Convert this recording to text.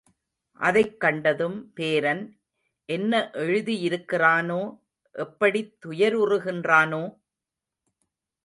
அதைக் கண்டதும், பேரன் என்ன எழுதியிருக்கின்றானோ எப்படித் துயருறுகிறானோ?